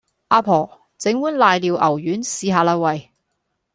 阿婆，整碗瀨尿牛丸試吓啦喂